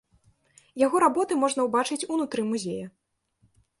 Яго работы можна ўбачыць унутры музея.